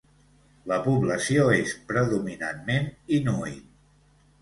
La població és predominantment inuit.